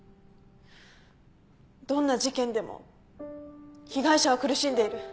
どんな事件でも被害者は苦しんでいる。